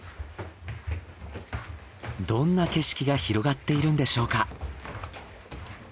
どんな景色が広がっているんでしょうか？